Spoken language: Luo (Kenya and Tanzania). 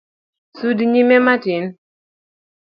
Sudi nyime matin.